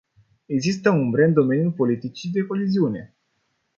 Există umbre în domeniul politicii de coeziune.